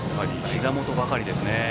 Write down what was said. ひざ元ばかりですね。